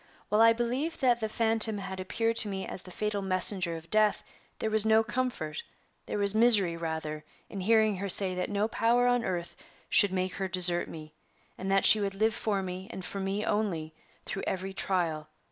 "While I believed that the phantom had appeared to me as the fatal messenger of death, there was no comfort there was misery, rather, in hearing her say that no power on earth should make her desert me, and that she would live for me, and for me only, through every trial.